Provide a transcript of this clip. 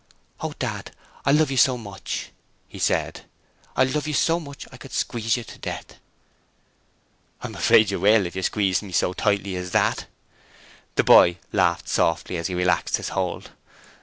'Oh, Dad, I love you so much!' he said. 'I love you so much, I could squeeze you to death.' 'I'm afraid you will, if you squeeze me so tightly as that.' The boy laughed softly as he relaxed his hold.